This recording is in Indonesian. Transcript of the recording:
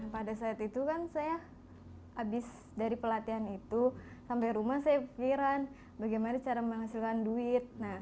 pada saat itu kan saya habis dari pelatihan itu sampai rumah saya pikiran bagaimana cara menghasilkan duit